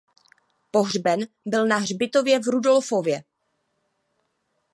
Pohřben byl na hřbitově v Rudolfově.